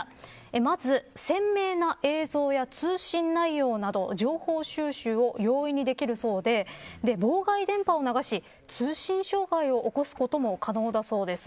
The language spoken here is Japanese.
まず鮮明な映像や通信内容など情報収集を容易にできるそうで妨害電波を流し通信障害を起こすことも可能だそうです。